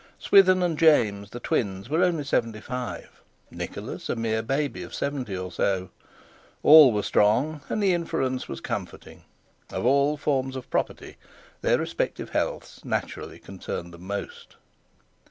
Swithin and James, the twins, were only seventy five, Nicholas a mere baby of seventy or so. All were strong, and the inference was comforting. Of all forms of property their respective healths naturally concerned them most.